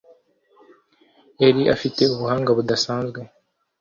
yari afite ubuhanga budasanzwe